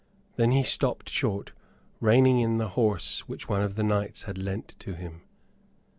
Then he stopped short, reining in the horse which one of the knights had lent to him.